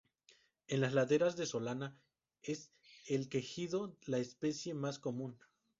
En las laderas de solana, es el quejigo la especie más común.